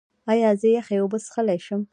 ایا زه یخې اوبه څښلی شم؟